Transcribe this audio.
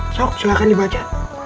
sok silahkan dibaca